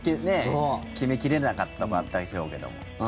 決め切れなかったのもあったでしょうけども。